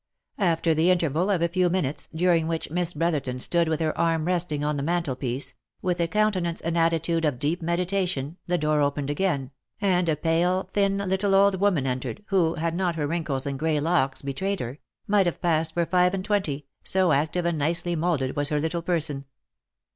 After the interval of a few minutes, during which Miss Brother ton stood with her arm resting on the mantelpiece, with a counte nance and attitude of deep meditation, the door opened again, and a pale, thin, little old woman entered, who, had not her wrinkles and gray locks betrayed her, might have passed for five and twenty, so active and nicely moulded was her little person.